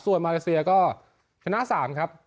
ส่วนมาเลเซียก็ชนะ๓ครับ